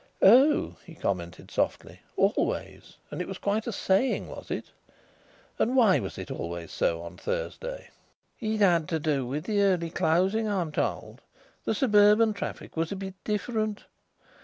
"Oh," he commented softly, "always; and it was quite a saying, was it? And why was it always so on Thursday?" "It had to do with the early closing, I'm told. The suburban traffic was a bit different.